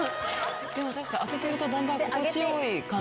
でも確かに当ててるとだんだん心地良い感じに。